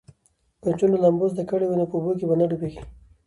که نجونې لامبو زده کړي نو په اوبو کې به نه ډوبیږي.